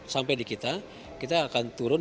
sampai di kita kita akan turun